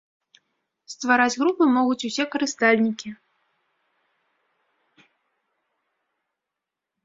Ствараць групы могуць усе карыстальнікі.